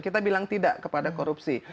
kita bilang tidak kepada korupsi